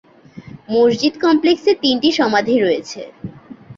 মসজিদ কমপ্লেক্সে তিনটি সমাধি রয়েছে।